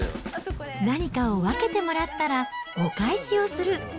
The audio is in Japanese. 何かを分けてもらったら、お返しをする。